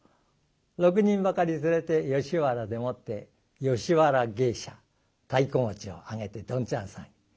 ６人ばかり連れて吉原でもって吉原芸者太鼓持ちを上げてどんちゃん騒ぎ。